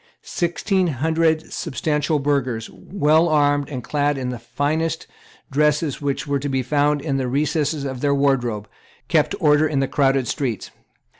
Sixteen hundred substantial burghers, well armed, and clad in the finest dresses which were to be found in the recesses of their wardrobes, kept order in the crowded streets.